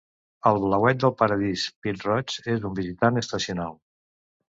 El Blauet del paradís pit-roig és un visitant estacional.